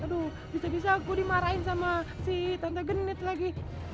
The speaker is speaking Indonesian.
aduh bisa bisa aku dimarahin sama si tante genit lagi